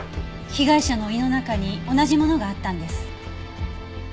被害者の胃の中に同じものがあったんです。